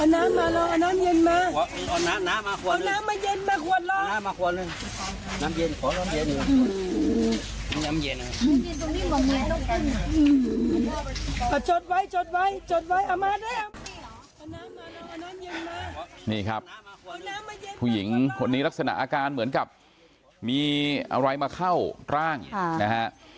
นี่ครับผู้หญิงคนนี้ลักษณะอาการเหมือนกับมีอะไรมาเข้าร่างนะฮะ